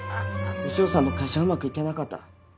潮さんの会社うまく行ってなかった。